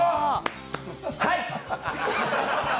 はい！